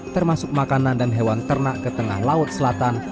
termasuk makanan dan hewan ternak ke tengah laut selatan